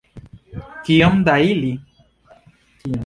Kiom da ili?